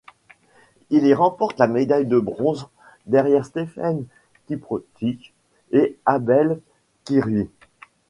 Il y remporte la médaille de bronze, derrière Stephen Kiprotich et Abel Kirui.